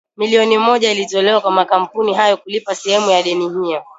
milioni moja ilitolewa kwa makampuni hayo kulipa sehemu ya deni hio